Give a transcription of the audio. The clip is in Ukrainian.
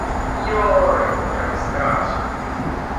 Йой! Як страшно.